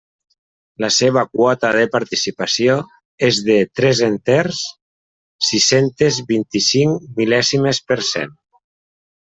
La seva quota de participació és de tres enters, sis-centes vint-i-cinc mil·lèsimes per cent.